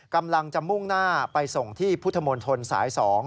กำลังจะมุ่งหน้าไปส่งที่พุทธมนตรสาย๒